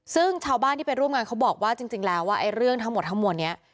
ซึ่งชาวบ้านที่ไปร่วมงานเขาบอกว่าจริงแล้วว่าเรื่องทั้งหมดทั้งมวลนี้